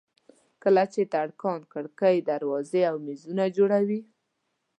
کله چې ترکاڼ کړکۍ دروازې او مېزونه جوړوي.